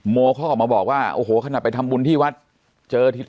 โมเขาออกมาบอกว่าโอ้โหขนาดไปทำบุญที่วัดเจอที